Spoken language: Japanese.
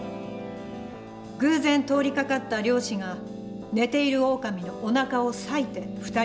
偶然通りかかった猟師が寝ているオオカミのおなかを裂いて２人を救出。